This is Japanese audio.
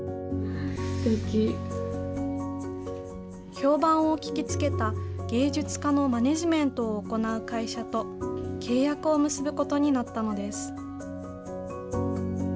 評判を聞きつけた芸術家のマネジメントを行う会社と契約を結ぶことになったのです。